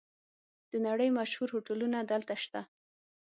د نړۍ مشهور هوټلونه دلته شته.